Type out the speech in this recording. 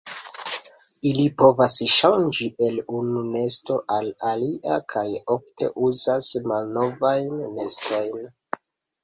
Ili povas ŝanĝi el unu nesto al alia kaj ofte uzas malnovajn nestojn.